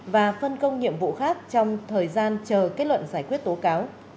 và phân công nhiệm vụ khác trong thời gian chờ kết luận giải quyết tố cáo